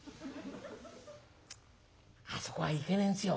「あそこは行けねえんですよ」。